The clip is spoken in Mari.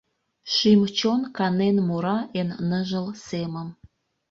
Шӱм-чон канен мура эн ныжыл семым.